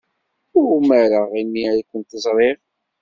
Umareɣ imi ay kent-ẓriɣ.